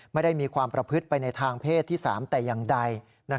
ไม่ได้มีความประพฤติไปในทางเพศที่๓แต่อย่างใด